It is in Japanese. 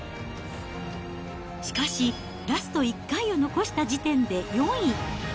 しかし、ラスト１回を残した時点で４位。